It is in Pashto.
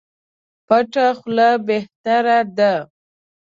پټه خوله بهتره ده.